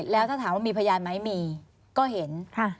แล้วถ้าถามว่ามีพยานไหมมีก็เห็น